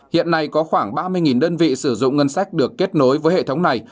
hiện nay có khoảng ba mươi đơn vị sử dụng ngân sách được kết nối với hệ thống này